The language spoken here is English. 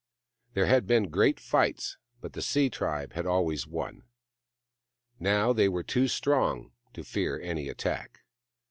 There had been great fights, but the sea tribe had always won. Now they were too strong to fear any attack.